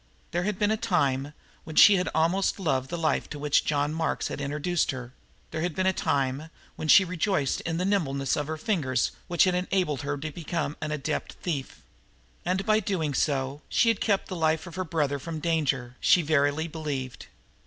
There had been a time when she had almost loved the life to which John Mark introduced her; there had been a time when she had rejoiced in the nimbleness of her fingers which had enabled her to become an adept as a thief. And, by so doing, she had kept the life of her brother from danger, she verily believed.